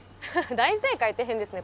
大正解って変ですね。